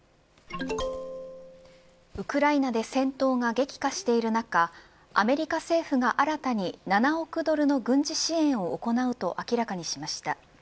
ウクライナで戦闘が激化している中アメリカ政府が新たに７億ドルの軍事支援を行うと明らかにしました。